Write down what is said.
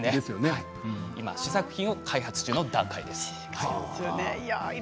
試作品を開発中の段階です。